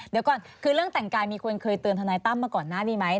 เดี๋ยวก่อนคือเรื่องแต่งกายมีคนเคยเตือนทนายตั้มมาก่อนหน้านี้ไหม